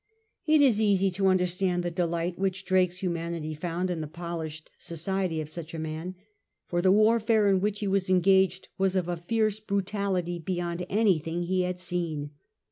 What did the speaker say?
It is easy to understand the delight which Drake's humanity found in the polished society of such a man. For the warfare in which he was engaged was of a fierce brutality beyond anything he had seen.